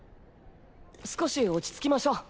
少し落ち着きましょう。